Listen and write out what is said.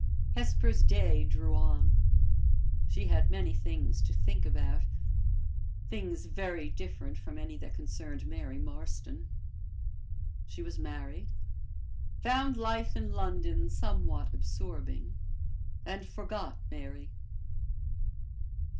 Hesper's day drew on. She had many things to think about things very different from any that concerned Mary Marston. She was married; found life in London somewhat absorbing; and forgot Mary.